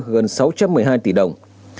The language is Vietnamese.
gần sáu trăm một mươi hai tỷ đồng